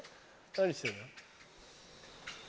何してんだ？